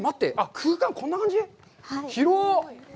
空間、こんな感じ！？